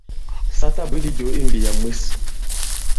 Sa ta bwě àdi jǒ i mbìyà mwes.